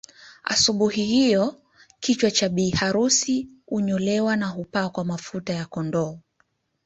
Asubuhi hiyo kichwa cha bi harusi unyolewa na hupakwa mafuta ya kondoo